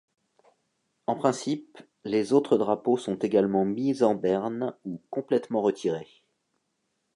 En principe, les autres drapeaux sont également mis en berne ou complètement retirés.